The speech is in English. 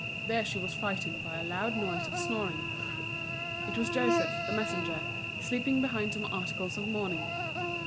There she was frightened by a loud noise of snoring. It was Joseph, the messenger, sleeping behind some articles of mourning.